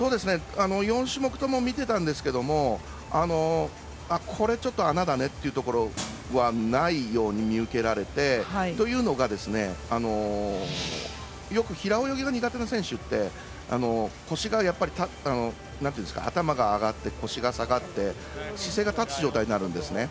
４種目とも見てたんですがこれちょっと穴だねというところはないように見受けられて。というのがよく平泳ぎが苦手な選手って頭が上がって腰が下がって姿勢が立つ状態になるんですね。